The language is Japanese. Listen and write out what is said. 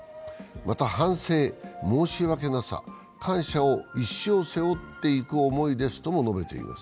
また、反省、申し訳なさ、感謝を一生背負っていく思いですとも述べています。